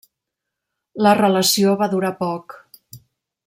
La relació va durar poc.